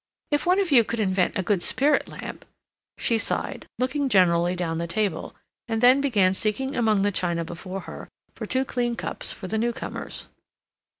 If one of you could invent a good spirit lamp—" she sighed, looking generally down the table, and then began seeking among the china before her for two clean cups for the new comers.